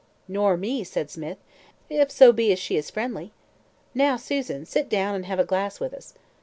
"Nor me," said Smith, "if so be as she is friendly. Now, Susan, sit down and have a glass with us.